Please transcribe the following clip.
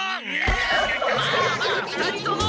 まあまあ２人とも！